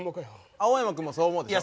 青山君もそう思うでしょ？